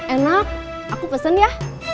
enak aku pesen ya